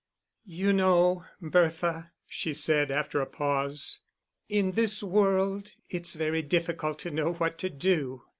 "You know, Bertha," she said, after a pause, "in this world it's very difficult to know what to do.